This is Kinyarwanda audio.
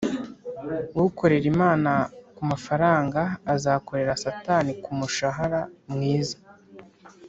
ukorera imana kumafaranga azakorera satani kumushahara mwiza.